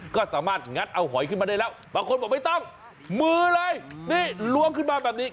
ก็สามารถงัดเอาหอยขึ้นมาได้แล้วบางคนบอกไม่ต้องมือเลยนี่ล้วงขึ้นมาแบบนี้